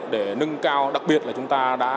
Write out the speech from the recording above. để nâng cao đặc biệt là chúng ta đã